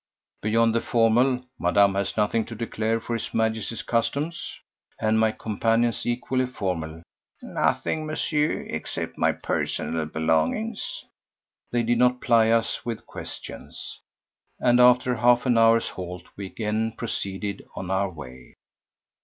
Beyond the formal: "Madame has nothing to declare for His Majesty's customs?" and my companion's equally formal: "Nothing, Monsieur, except my personal belongings," they did not ply us with questions, and after half an hour's halt we again proceeded on our way.